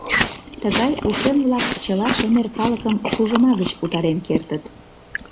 Тыгай ушем-влак чыла шемер калыкым шужыма гыч утарен кертыт.